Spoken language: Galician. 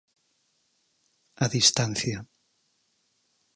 A distancia.